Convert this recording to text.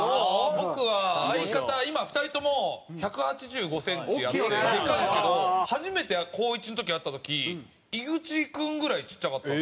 僕は相方今２人とも１８５センチあってでかいんですけど初めて高１の時会った時井口君ぐらいちっちゃかったんですよ。